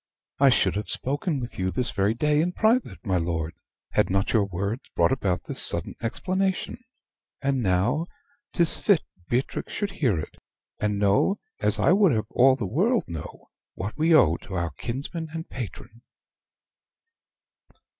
I should have spoken with you this very day in private, my lord, had not your words brought about this sudden explanation and now 'tis fit Beatrix should hear it; and know, as I would have all the world know, what we owe to our kinsman and patron."